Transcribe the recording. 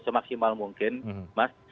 semaksimal mungkin mas